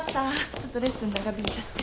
ちょっとレッスン長引いちゃって。